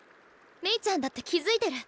メイちゃんだって気付いてる。